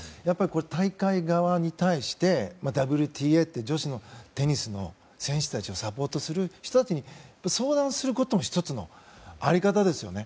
大会側に対してＷＴＡという女子のテニスの選手をサポートする人たちに相談することも１つの在り方ですよね。